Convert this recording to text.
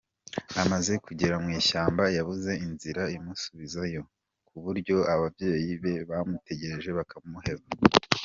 Amaze kugera mu ishyamba yabuze inzira imusubizayo ku buryo ababyeyi be bamutegereje bakamuheba.